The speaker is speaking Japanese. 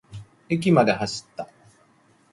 駅まで走った。